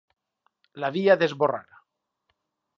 L'havia d'esborrar.